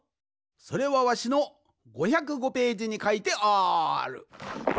それはわしの５０５ページにかいてある。